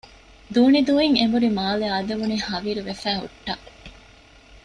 ދޫނިދޫއިން އެނބުރި މާލެ އާދެވުނީ ހަވީރުވެފައި ހުއްޓާ